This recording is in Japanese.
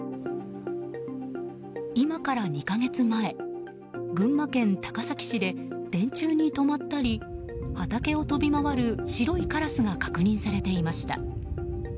今から２か月前、群馬県高崎市で電柱に止まったり畑を飛び回る白いカラスが確認されていました。